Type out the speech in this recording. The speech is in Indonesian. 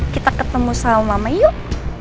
kita ketemu selama lamanya yuk